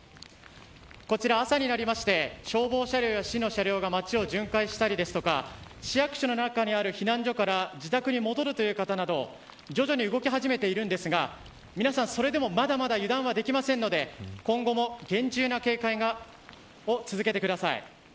こちら朝になりまして消防車両や市の車両が街を巡回したり市役所の中にある避難所から自宅に戻るという方など徐々に動き始めているんですが皆さん、それでもまだまだ油断はできませんので今後も厳重な警戒を続けてください。